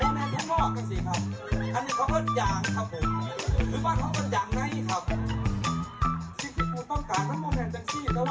มันจะอยู่ทั้งนอกกันสิครับ